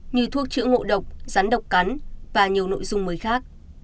như thuốc chữa ngộ độc rắn độc cắn và nhiều nội dung mới khác